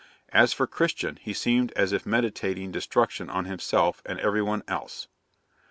As for Christian, he seemed as if meditating destruction on himself and every one else.